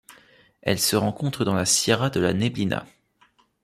Elle se rencontre dans la Sierra de la Neblina.